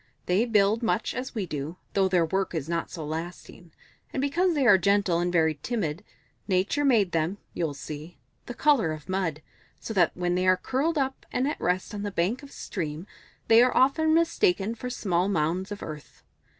They build much as we do, though their work is not so lasting. And because they are gentle and very timid, Nature made them, you'll see, the colour of mud, so that when they are curled up and at rest on the bank of a stream, they are often mistaken for; small mounds of earth.